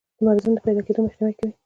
د مرضونو د پیداکیدو مخنیوی کوي.